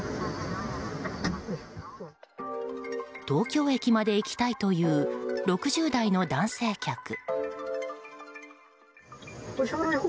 東京駅まで行きたいという６０代の男性客。